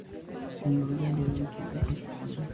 En Londres logró la quinta posición.